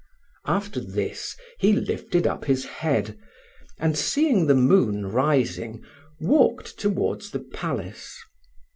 After this he lifted up his head, and seeing the moon rising, walked towards the palace.